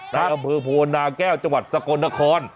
อำเภอโพนาแก้วจังหวัดสกลนคร